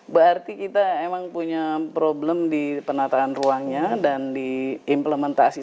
berarti kita memang punya problem di penataan ruangnya dan di implementasi